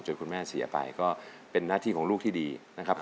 คุณแม่เสียไปก็เป็นหน้าที่ของลูกที่ดีนะครับ